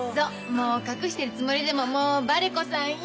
もう隠してるつもりでももうばれこさんよ。